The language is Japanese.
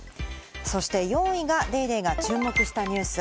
そして４位が『ＤａｙＤａｙ．』が注目したニュース。